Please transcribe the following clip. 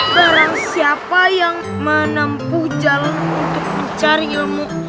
sekarang siapa yang menempuh jalan untuk mencari ilmu